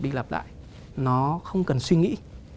đi lập lại nó không cần suy nghĩ